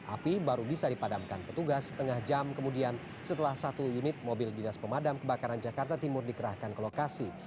api baru bisa dipadamkan petugas setengah jam kemudian setelah satu unit mobil dinas pemadam kebakaran jakarta timur dikerahkan ke lokasi